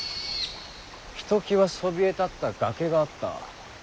ひときわそびえ立った崖があった。